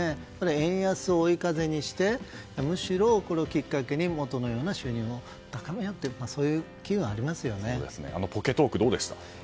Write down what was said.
円安を追い風にしてむしろ、これをきっかけに元のような収入を高めてるようなポケトーク、どうでした？